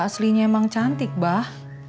aslinya emang cantik bah